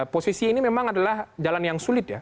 posisi ini memang adalah jalan yang sulit ya